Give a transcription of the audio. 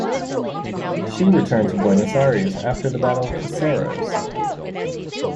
She returned to Buenos Aires after the Battle of Caseros.